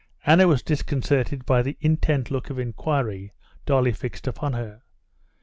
Anna was disconcerted by the intent look of inquiry Dolly fixed upon her.